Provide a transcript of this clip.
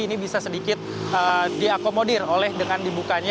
ini bisa sedikit diakomodir oleh dengan dibukanya